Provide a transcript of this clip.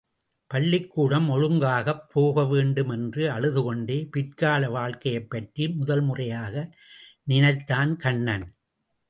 பள்ளிக் கூடம் ஒழுங்காகப் போக வேண்டும் என்று அழுதுகொண்டே பிற்கால வாழ்க்கையைப் பற்றி முதல் முறையாக நினைத்தான் கண்ணன்.